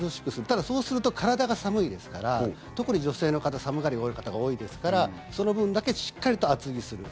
ただ、そうすると体が寒いですから特に女性の方は寒がりの方が多いですからその分だけしっかりと厚着する。